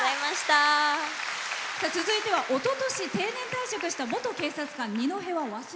続いては、おととし定年退職した元警察官。